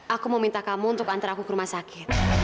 aku meminta kamu untuk antar aku ke rumah sakit